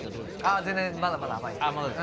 全然まだまだ甘いです。